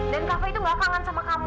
dan kak fah itu nggak kangen sama kamu